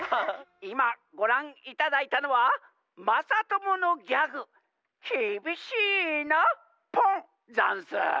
「いまごらんいただいたのはまさとものギャグ『きびしいなポン』ざんす。